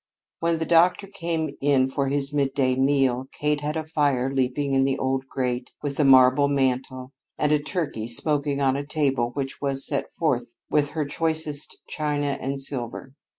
When the doctor came in for his midday meal, Kate had a fire leaping in the old grate with the marble mantel and a turkey smoking on a table which was set forth with her choicest china and silver.